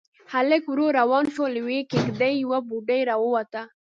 هلک ورو روان شو، له يوې کېږدۍ يوه بوډۍ راووته.